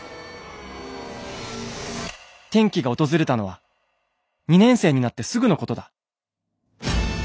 「転機が訪れたのは２年生になってすぐのことだ。